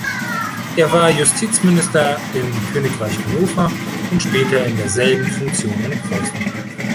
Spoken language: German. Er war Justizminister im Königreich Hannover und später in derselben Funktion in Preußen.